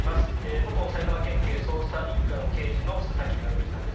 元埼玉県警捜査１課の刑事の佐々木成三さんです。